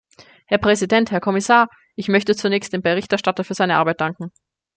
Herr Präsident, Herr Kommissar! Ich möchte zunächst dem Berichterstatter für seine Arbeit danken.